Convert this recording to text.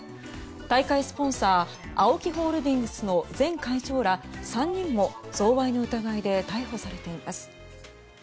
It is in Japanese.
大会スポンサーＡＯＫＩホールディングスの前会長ら３人も贈賄の疑いで逮捕されています。